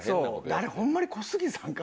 あれホンマに小杉さんか？